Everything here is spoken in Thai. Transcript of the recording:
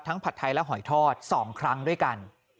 ผัดไทยและหอยทอด๒ครั้งด้วยกัน